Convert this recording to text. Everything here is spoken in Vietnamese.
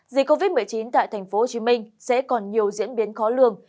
dịch covid một mươi chín tại tp hcm sẽ còn nhiều diễn biến khó lường